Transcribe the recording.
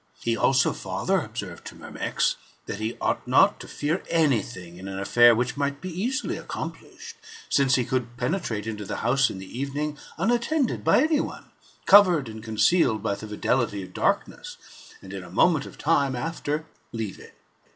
He also farther observed to Myrmex, " That he ought not to fear any thing in an affair which might easily be accomplished ; since he could penetrate into the house in the evening unattended by any one, covered and concealed by the fidelity of darkness, and in a moment of time after, leave it."